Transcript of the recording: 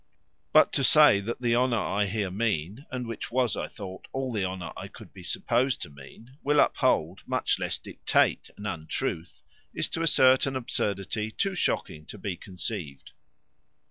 Now to say that the honour I here mean, and which was, I thought, all the honour I could be supposed to mean, will uphold, much less dictate an untruth, is to assert an absurdity too shocking to be conceived."